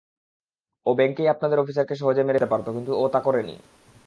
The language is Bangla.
ও ব্যাংকেই আপনাদের অফিসারকে সহজে মেরে ফেলতে পারতো কিন্তু ও তা করেনি।